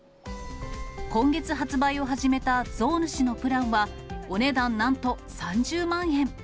今月発売を始めた象主のプランは、お値段なんと３０万円。